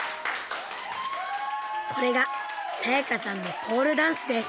これが彩夏さんのポールダンスです。